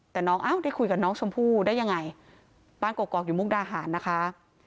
แต่น้องอ้าวได้คุยกับน้องชมพู่ได้ยังไงบ้านกกอกอยู่มุกดาหารนะคะ